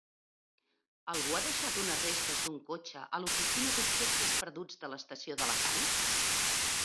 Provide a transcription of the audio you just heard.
Algú ha deixat unes restes d'un cotxe a l'oficina d'objectes perduts de l'estació d'Alacant?